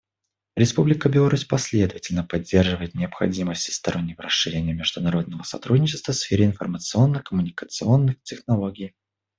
Республика Беларусь последовательно поддерживает необходимость всестороннего расширения международного сотрудничества в сфере информационно-коммуникационных технологий.